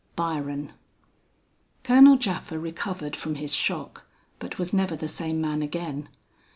BYRON. "Colonel Japha recovered from his shock, but was never the same man again.